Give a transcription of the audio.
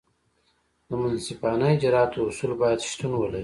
د منصفانه اجراآتو اصول باید شتون ولري.